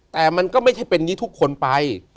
แต่มันก็ไม่ใช่เป็นอย่างนี้ทุกคนไป